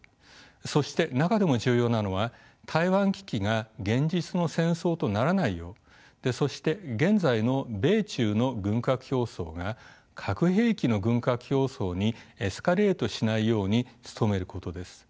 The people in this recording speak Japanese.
そして中でも重要なのは台湾危機が現実の戦争とならないようそして現在の米中の軍拡競争が核兵器の軍拡競争にエスカレートしないように努めることです。